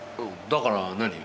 だから何？